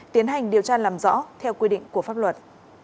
tiến hành điều tra làm rõ theo quy định của pháp luật